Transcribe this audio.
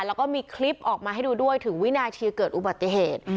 แล้วก็มีคลิปออกมาให้ดูด้วยถึงวินาทีเกิดอุบัติเหตุ